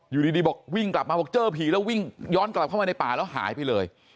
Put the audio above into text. อยู่ดีบอกวิ่งกลับมาบอกเจอผีแล้ววิ่งย้อนกลับเข้ามาในป่าแล้วหายไปเลย